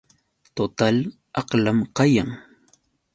Total aqlam kayan.